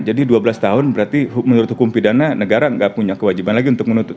jadi dua belas tahun berarti menurut hukum pidana negara gak punya kewajiban lagi untuk menuntut